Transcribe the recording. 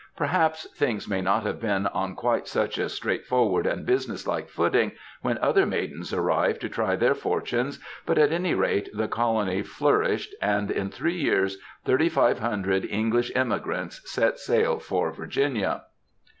Perhaps things may not have been on quite such a straight 240 MEN, WOMEN, AND MINXES forward and businesslike footing when other maidens arrived to try their fortunes, but at any rate the colony flourished, and in three years 3500 English emigrants set sail for Virginia.